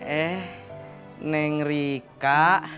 ehh neng rika